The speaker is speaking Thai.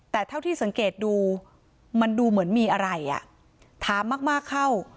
แต่เท่าที่สังเกตดูมันดูเหมือนมีอะไรอ่ะถามมากเข้า